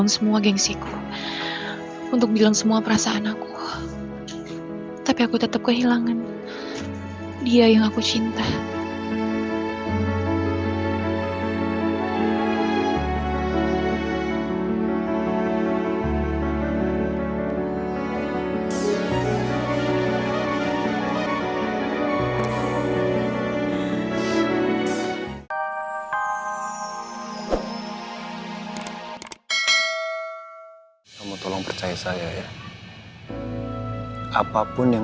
sampai jumpa di video selanjutnya